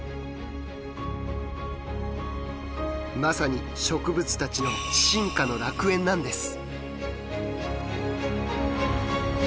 まさに植物たちの「進化の楽園」なんです！